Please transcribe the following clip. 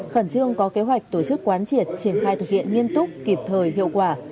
khẩn trương có kế hoạch tổ chức quán triệt triển khai thực hiện nghiêm túc kịp thời hiệu quả